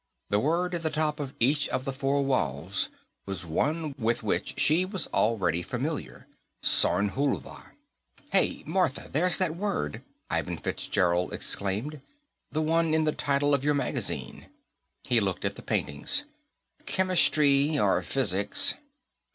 The word at the top of each of the four walls was one with which she was already familiar Sornhulva. "Hey, Martha; there's that word," Ivan Fitzgerald exclaimed. "The one in the title of your magazine." He looked at the paintings. "Chemistry, or physics."